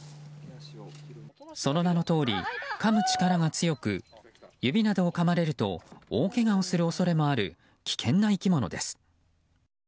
その名のとおり、かむ力が強く指などをかまれると大けがをする恐れもある危険な生き物です。